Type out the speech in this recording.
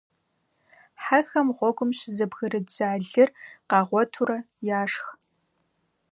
Хьэхэм гъуэгум щызэбгрыддза лыр къагъуэтурэ, яшх.